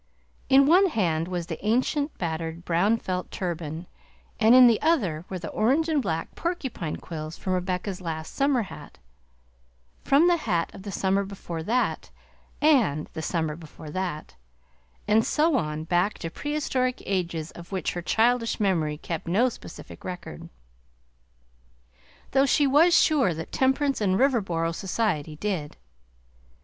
In one hand was the ancient, battered, brown felt turban, and in the other were the orange and black porcupine quills from Rebecca's last summer's hat; from the hat of the summer before that, and the summer before that, and so on back to prehistoric ages of which her childish memory kept no specific record, though she was sure that Temperance and Riverboro society did.